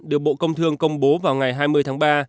được bộ công thương công bố vào ngày hai mươi tháng ba